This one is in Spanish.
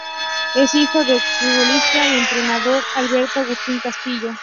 Es hijo del exfutbolista y entrenador Alberto Agustín Castillo.